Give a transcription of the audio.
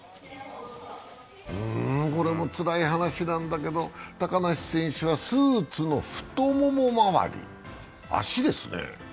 うーん、これもつらい話なんだけど高梨選手はスーツの太ももまわり、足ですね。